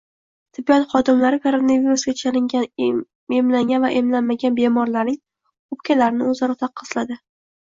Tibbiyot xodimlari koronavirusga chalingan emlangan va emlanmagan bemorlarning o‘pkalarini o‘zaro taqqosladi